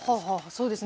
そうですね。